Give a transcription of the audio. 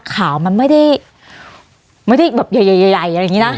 ข่าวมันไม่ได้ไม่ได้แบบใหญ่อย่างนี้นะ